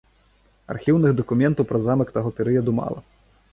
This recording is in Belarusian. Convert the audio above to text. Архіўных дакументаў пра замак таго перыяду мала.